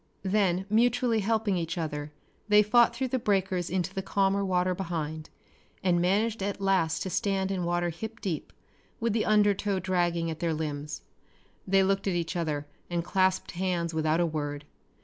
Then mutually helping each other they fought through the breakers into the calmer water behind, and managed at last to stand in water hip deep, with the undertow dragging at their limbs. They looked at each other and clasped hands without a word.